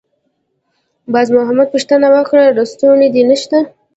باز محمد پوښتنه وکړه: «لستوڼی دې نشته؟»